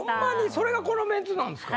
それがこのメンツなんですか？